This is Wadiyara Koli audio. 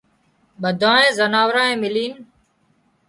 ٻڌانئي زنارانئي ملينَ